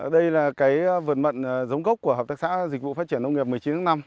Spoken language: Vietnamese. đây là cái vườn mận giống gốc của hợp tác xã dịch vụ phát triển nông nghiệp một mươi chín tháng năm